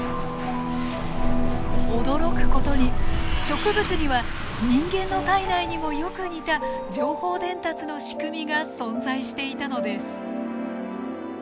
驚くことに植物には人間の体内にもよく似た情報伝達の仕組みが存在していたのです。